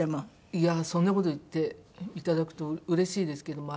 いやそんな事言っていただくとうれしいですけども。